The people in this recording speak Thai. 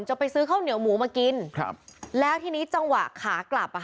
จะไปซื้อข้าวเหนียวหมูมากินครับแล้วทีนี้จังหวะขากลับอ่ะ